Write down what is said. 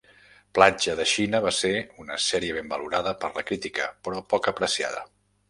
"Platja de Xina" va ser una sèrie ben valorada per la crítica, però poc apreciada.